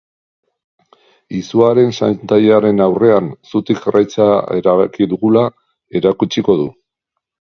Izuaren xantaiaren aurrean, zutik jarraitzea erabaki dugula erakutsiko du.